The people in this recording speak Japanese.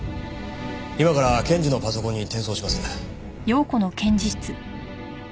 今から検事のパソコンに転送します。